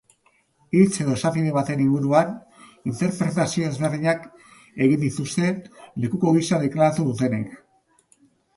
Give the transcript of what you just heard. Hitz edo esapide baten inguruan interpretazio desberdinak egin dituzte lekuko gisa deklaratu dutenek.